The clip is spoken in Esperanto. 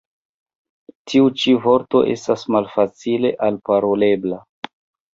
Tiu ĉi vorto estas malfacile elparolebla.